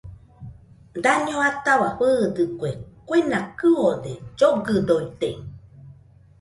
Daño ataua fɨɨdɨkue, kuena kɨode, llogɨdoite